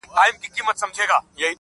نورې ځیږې خربپشې دي چینجنې